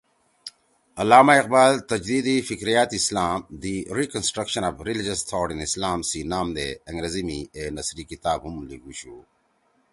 علامہ اقبال ”تجدید فکریات اسلام (The Reconstruction of Religious Thought in Islam) سی نام دے انگریزی می اے نثری کتاب ہُم لیِگُوشُو